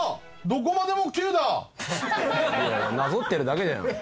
いやいやなぞってるだけじゃん。